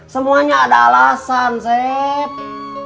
semuanya ada alasan sepp